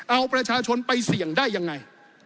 เอาประชาชนไปเสี่ยงได้ยังไง